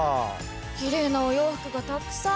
きれいなお洋服がたくさん！